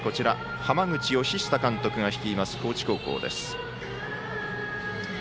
浜口佳久監督が率います高知高校です。